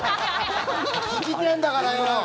聞きてえんだからよ！